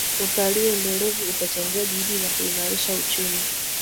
Utalii endelevu utachangia juhudi za kuimarisha uchumi